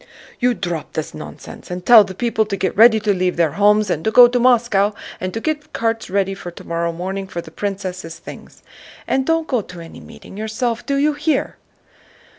"You drop this nonsense and tell the people to get ready to leave their homes and go to Moscow and to get carts ready for tomorrow morning for the princess' things. And don't go to any meeting yourself, do you hear?"